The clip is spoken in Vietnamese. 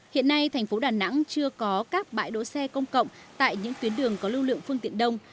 hiện nay thành phố đà nẵng chưa có các bãi đỗ xe công cộng tại những tuyến đường có lưu lượng phương tiện đông